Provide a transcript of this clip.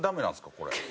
これ。